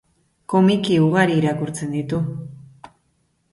Komiki ugari irakurtzen ditu.